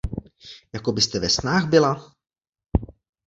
Jako byste ve snách byla?